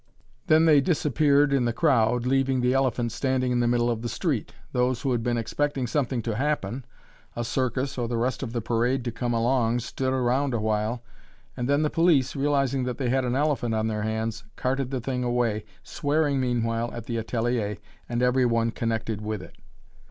Then they disappeared in the crowd, leaving the elephant standing in the middle of the street. Those who had been expecting something to happen a circus or the rest of the parade to come along stood around for a while, and then the police, realizing that they had an elephant on their hands, carted the thing away, swearing meanwhile at the atelier and every one connected with it.